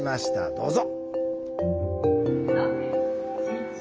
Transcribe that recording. どうぞ。